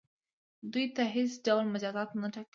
دوی ته هیڅ ډول مجازات نه ټاکل کیدل.